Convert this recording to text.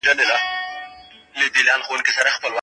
ايا انلاين درس بيا کتنه ممکنه کوي؟